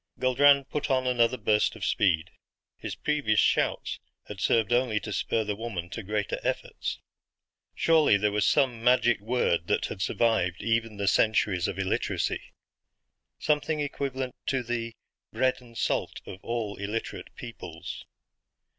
Guldran put on another burst of speed. His previous shouts had served only to spur the woman to greater efforts. Surely there was some magic word that had survived even the centuries of illiteracy. Something equivalent to the "bread and salt" of all illiterate peoples.